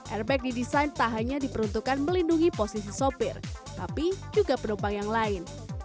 airbag didesain tak hanya diperuntukkan melindungi posisi sopir tapi juga penumpang yang lain